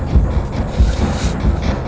kenapa semuanya gelap jinawan